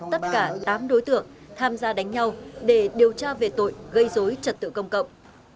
tất cả tám đối tượng tham gia đánh nhau để điều tra về tội gây dối trật tự công cộng